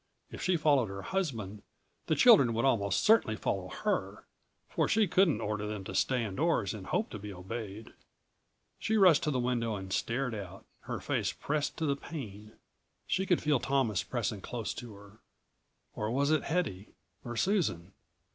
If she followed her husband the children would almost certainly follow her, for she couldn't order them to stay indoors and hope to be obeyed. She rushed to the window and stared out, her face pressed to the pane. She could feel Thomas pressing close to her or was it Hedy or Susan?